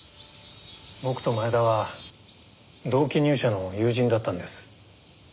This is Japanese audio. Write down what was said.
僕と前田は同期入社の友人だったんです。